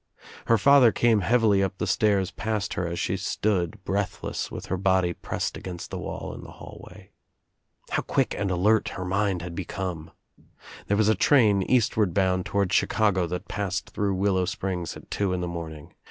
Her father came heavily up the stairs past her as she stood breathless with her body pressed against the wall in the hallway. How quick and alert her mind had become I There was a train Eastward bound toward Chicago that passed through Willow Springs at two in the morning.